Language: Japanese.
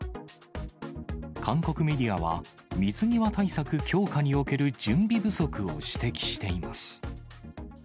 韓国メディアは、水際対策強化における準備不足を指摘しています。